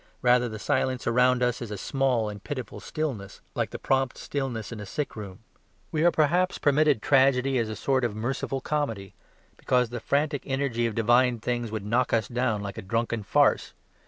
Rather the silence around us is a small and pitiful stillness like the prompt stillness in a sick room. We are perhaps permitted tragedy as a sort of merciful comedy: because the frantic energy of divine things would knock us down like a drunken farce.